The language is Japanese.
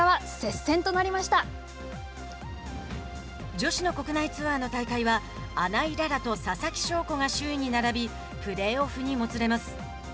女子の国内ツアーの大会は穴井詩とささきしょうこが首位に並び、プレーオフにもつれます。